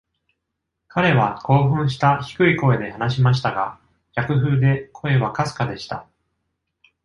彼は興奮した低い声で話しましたが、逆風で声はかすかでした。